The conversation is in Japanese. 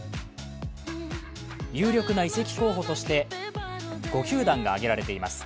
有力な移籍候補として５球団が挙げられています。